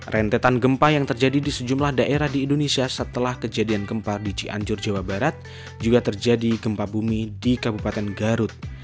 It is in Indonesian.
rentetan gempa yang terjadi di sejumlah daerah di indonesia setelah kejadian gempa di cianjur jawa barat juga terjadi gempa bumi di kabupaten garut